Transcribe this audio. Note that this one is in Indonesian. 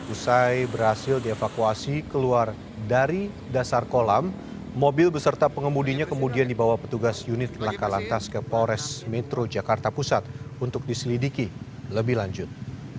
usai berhasil dievakuasi keluar dari dasar kolam mobil beserta pengemudinya kemudian dibawa petugas unit laka lantas ke polres metro jakarta pusat untuk diselidiki lebih lanjut